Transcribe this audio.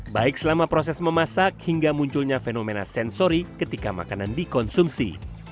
baik selama proses memasak hingga munculnya fenomena sensori ketika makanan dikonsumsi